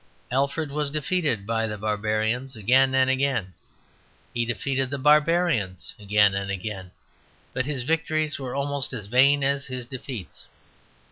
Alfred was defeated by the barbarians again and again, he defeated the barbarians again and again; but his victories were almost as vain as his defeats.